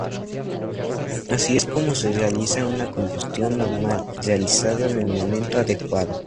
Así es como se realiza una combustión normal, realizada en el momento adecuado.